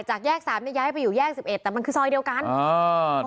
จากแยกสามเนี่ยย้ายไปอยู่แยก๑๑แต่มันคือซอยเดียวกัน